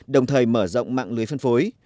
đồng thời mở rộng mạng lưới phân phối